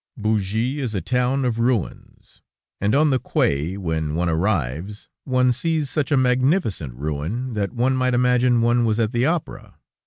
Bougie is a town of ruins, and on the quay, when one arrives, one sees such a magnificent ruin, that one might imagine one was at the opera.